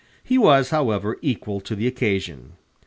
He was, however, equal to the occasion.